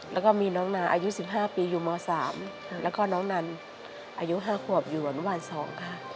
แล้วก็น้องนันอายุ๕ขวบอยู่วันวัน๒ค่ะ